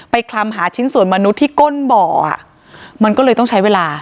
คลำหาชิ้นส่วนมนุษย์ที่ก้นบ่ออ่ะมันก็เลยต้องใช้เวลา